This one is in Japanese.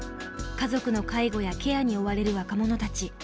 家族の介護やケアに追われる若者たち。